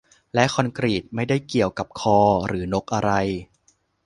และคอนกรีต ไม่ได้เกี่ยวกับคอ หรือนกอะไร